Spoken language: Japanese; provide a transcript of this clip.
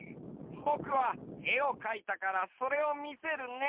ぼくはえをかいたからそれをみせるね！